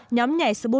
nhóm nhảy spolga